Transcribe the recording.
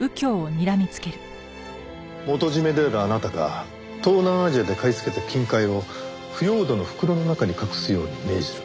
元締であるあなたが東南アジアで買い付けた金塊を腐葉土の袋の中に隠すように命じる。